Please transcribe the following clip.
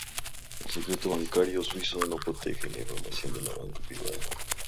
El secreto bancario suizo no protege la información de la banca privada.